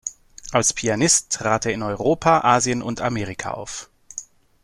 Als Pianist trat er in Europa, Asien und Amerika auf.